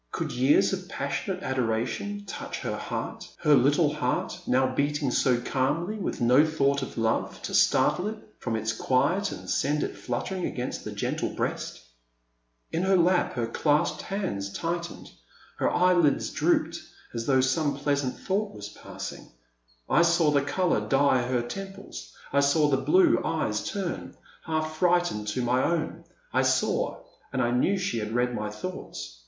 Could years of passionate adoration touch her heart — ^her little heart, now beating so calmly with no thought of love to star tle it from its quiet and send it fluttering against the gentle breast ? In her lap her clasped hands tightened, — ^her eyelids drooped as though some pleasant thought was passing. I saw the colour dye her temples, I saw the blue eyes turn, half frightened to my own, I saw — and I knew she had read my thoughts.